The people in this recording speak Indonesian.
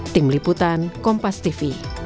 tim liputan kompas tv